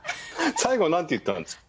最後、なんて言ったんですか？